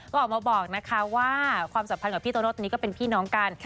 ก็ออกมาบอกนะคะว่าความสัมพันธ์กับพี่โตโน้ตนี้ก็เป็นพี่น้องกัน